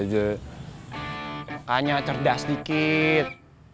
makanya cerdas sedikit